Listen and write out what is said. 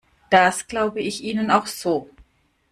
Das glaube ich Ihnen auch so.